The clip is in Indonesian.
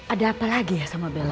ada apa lagi ya sama bella